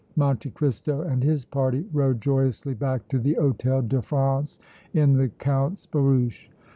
Monte Cristo and his party rode joyously back to the Hôtel de France in the Count's barouche.